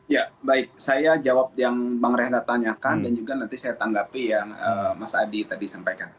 ya baik saya jawab yang bang rehat tanyakan dan juga nanti saya tanggapi yang mas adi tadi sampaikan